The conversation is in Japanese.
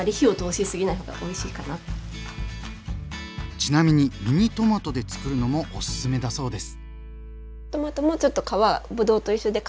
ちなみにミニトマトでつくるのもおすすめだそうです。